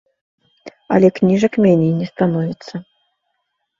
Але кніжак меней не становіцца.